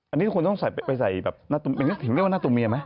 อันนี้คุณต้องไปใส่แบบถึงเรียกว่านาตุมียะไหม